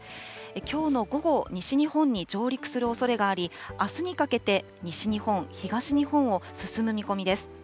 きょうの午後、西日本に上陸するおそれがあり、あすにかけて西日本、東日本を進む見込みです。